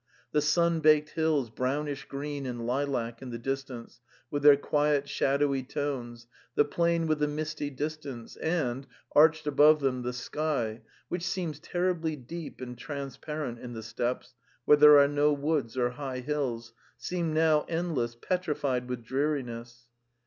The sun baked hills, brownish green and lilac in the distance, with their quiet shadowy tones, the plain with the misty distance and, arched above them, the sky, which seems terribly deep and transparent in the steppes, where there are no woods or high hills, seemed now endless, petrified with dreariness.